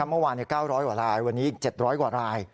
ทั้งเมื่อวาน๙๐๐รายวันนี้๗๐๐กว่าราย